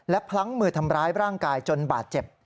และพลั้งมือทำร้ายร่างกายจนบาดเจ็บ